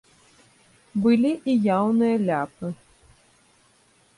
Былі і яўныя ляпы.